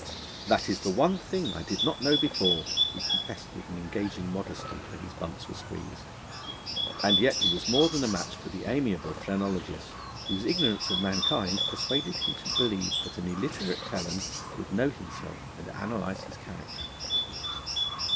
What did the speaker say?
'That is the one thing I did not know before,' he confessed with an engaging modesty, when his bumps were squeezed, and yet he was more than a match for the amiable phrenologist, whose ignorance of mankind persuaded him to believe that an illiterate felon could know himself and analyse his character.